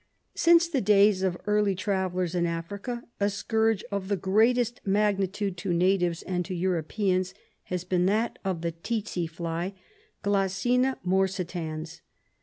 Since the days of early travellers in Africa, a scourge of the greatest magnitude to natives and to Europeans has been that of the tsetse fly (Ghssina morsitans).